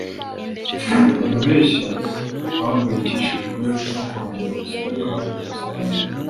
Buri mpeshyi mpangayikishijwe no kongera gusohoka mu busitani